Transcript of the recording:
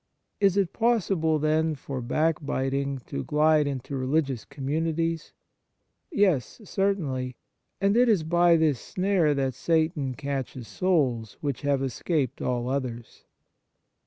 Is it possible, then, for backbiting to glide into religious com munities ? Yes, certainly. And it is by this snare that Satan catches souls which have escaped all others.